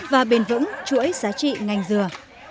và bền vững chuỗi giá trị ngành dừa